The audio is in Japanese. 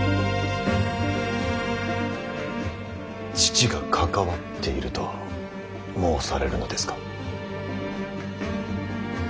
父が関わっていると申されるのですか。